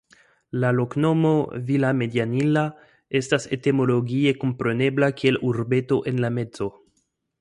La loknomo "Villamedianilla" estas etimologie komprenebla kiel "Urbeto en la mezo".